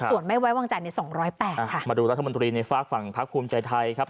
ส่วนไม่ไว้วางใจใน๒๐๘มาดูรัฐมนตรีในฝากฝั่งพักภูมิใจไทยครับ